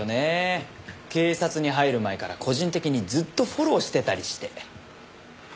警察に入る前から個人的にずっとフォローしてたりして。